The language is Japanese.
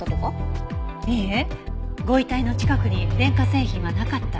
いいえご遺体の近くに電化製品はなかった。